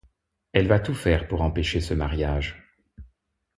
Elle va tout faire pour empêcher ce mariage.